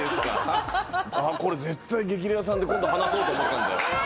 これ絶対『激レアさん』で今度話そうと思ったので。